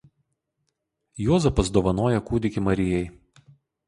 Juozapas dovanoja kūdikį Marijai.